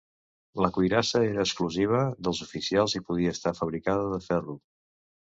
La cuirassa era exclusiva dels oficials i podia estar fabricada de ferro.